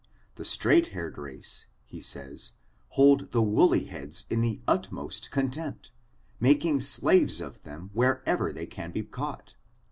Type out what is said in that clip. The straight haired race, he says, hold the woolly heads in the utmost contempt, making slaves of them where ever they can be caught.